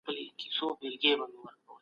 د بشريت خير په علم کي دی.